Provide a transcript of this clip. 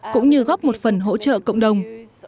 cũng như góp một phần hỗ trợ cộng đồng